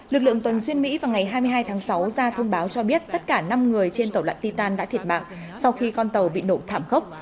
lực lượng tuần xuyên mỹ vào ngày hai mươi hai tháng sáu ra thông báo cho biết tất cả năm người trên tàu loạn ditan đã thiệt mạng sau khi con tàu bị nổ thảm khốc